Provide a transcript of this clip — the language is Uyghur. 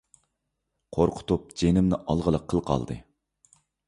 قورقۇتۇپ جېنىمنى ئالغىلى قىل قالدى!